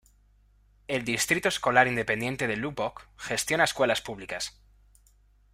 El Distrito Escolar Independiente de Lubbock gestiona escuelas públicas.